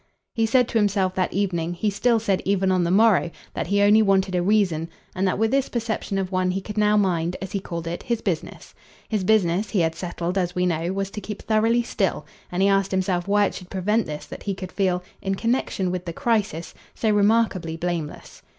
He said to himself that evening, he still said even on the morrow, that he only wanted a reason, and that with this perception of one he could now mind, as he called it, his business. His business, he had settled, as we know, was to keep thoroughly still; and he asked himself why it should prevent this that he could feel, in connexion with the crisis, so remarkably blameless.